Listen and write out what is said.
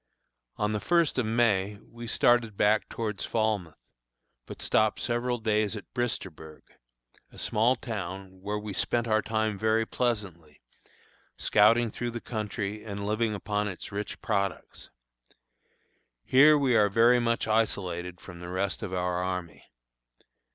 On the first of May we started back toward Falmouth, but stopped several days at Bristersburg, a small town, where we spent our time very pleasantly, scouting through the country and living upon its rich products. Here we are very much isolated from the rest of our army.